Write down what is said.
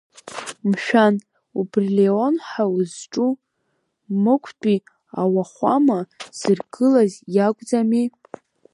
Мшәан, убри Леон ҳәа узҿу Мықәтәи ауахәама зыргылаз иакәӡами?